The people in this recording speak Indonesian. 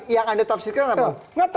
yang anda tafsirkan apa